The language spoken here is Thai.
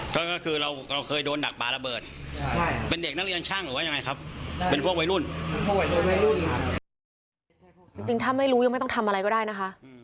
จริงถ้าไม่รู้ยังไม่ต้องทำอะไรก็ได้นะคะ